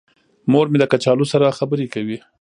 مور مې د کچالو سره خبرې کوي.